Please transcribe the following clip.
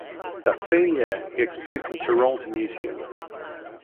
That same year he exposed in Toronto Museum.